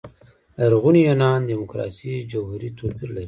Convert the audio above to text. لرغوني یونان دیموکراسي جوهري توپير لري.